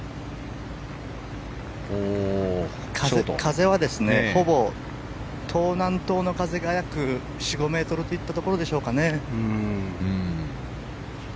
風は、ほぼ東南東の風が約４５メートルといったところですかね。